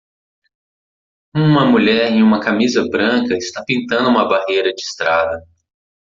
Uma mulher em uma camisa branca está pintando uma barreira de estrada.